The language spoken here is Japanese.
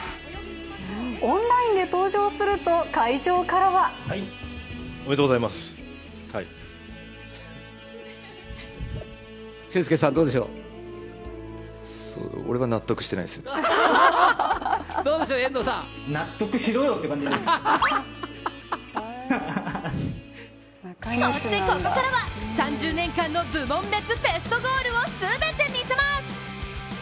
オンラインで登場すると、会場からはそしてここからは、３０年間の部門別ベストゴールを全て見せます！